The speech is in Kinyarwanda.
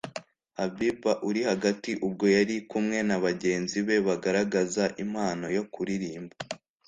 Habiba [uri hagati]ubwo yari kumwe na bagenzi be bagaragazaga impano yo kuririmba